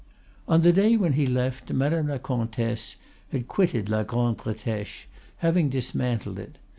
"'On the day when he left, Madame la Comtesse had quitted la Grand Bretèche, having dismantled it.